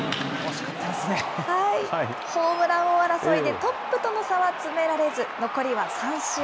ホームラン王争いでトップとの差は詰められず、残りは３試合。